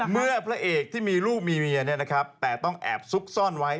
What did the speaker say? พระเอกที่มีลูกมีเมียแต่ต้องแอบซุกซ่อนไว้